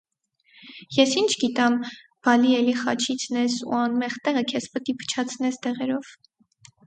Ես ի՞նչ գիտամ, բալի էլի խաչիցն ես, ու անմեղ տեղը քեզ պտի փչացնես դեղերով: